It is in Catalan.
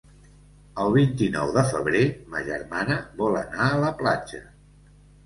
El vint-i-nou de febrer ma germana vol anar a la platja.